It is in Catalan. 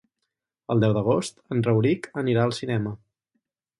El deu d'agost en Rauric anirà al cinema.